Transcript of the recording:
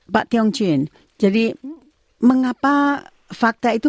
pak tiong chin jadi mengapa fakta itu